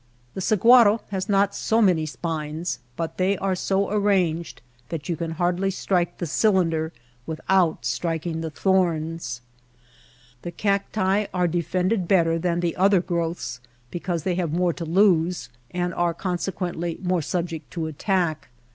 The sahuaro has not so many spines, but they are so arranged that you can hardly strike the cylinder without striking the thorns. The cacti are defended better than the other growths because they have more to lose, and are consequently more subject to attack.